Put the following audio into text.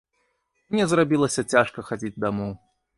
Мне зрабілася цяжка хадзіць дамоў.